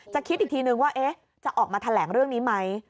คิดอีกทีนึงว่าจะออกมาแถลงเรื่องนี้ไหม